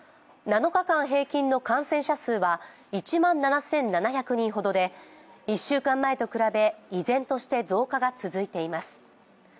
７日間平均の感染者数は１万７７００人ほどで１週間前と比べ依然として増加が続いています。